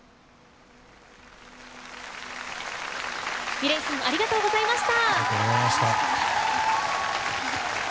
ｍｉｌｅｔさんありがとうございました。